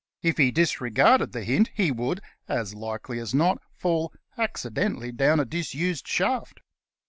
If he disregarded the hint he would, as likely as not, fall accidentally down a disused shaft.